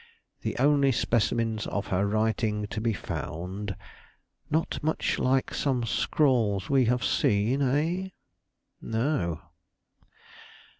The only specimens of her writing to be found. Not much like some scrawls we have seen, eh?" "No."